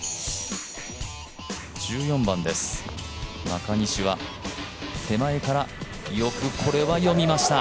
中西は手前からよくこれは読みました。